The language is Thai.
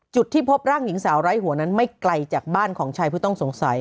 จุดที่พบร่างหญิงสาวไร้หัวนั้นไม่ไกลจากบ้านของชายผู้ต้องสงสัย